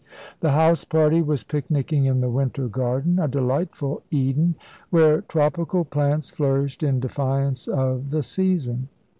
The house party was picnicking in the winter garden, a delightful Eden, where tropical plants flourished in defiance of the season.